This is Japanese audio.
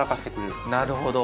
なるほど。